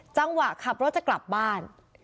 จังหวะขับรถจะกลับบ้าน